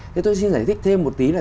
thế tôi xin giải thích thêm một tí là